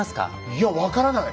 いや分からない。